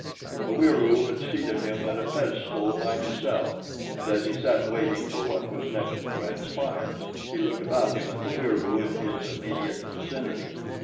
The Wieroo had seated him at a pedestal by himself, and as he sat waiting for what was next to transpire, he looked about him at the Wieroo in his immediate vicinity.